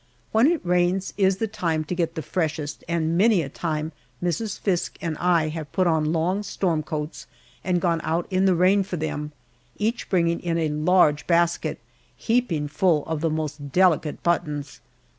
When it rains is the time to get the freshest, and many a time Mrs. Fiske and I have put on long storm coats and gone out in the rain for them, each bringing in a large basket heaping full of the most delicate buttons.